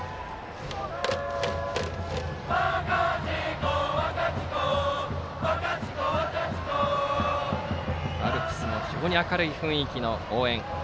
宮崎学園のアルプスも非常に明るい雰囲気の応援。